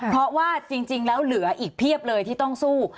เพราะว่าจริงแล้วเหลืออีกเพียบเลยที่ต้องสู้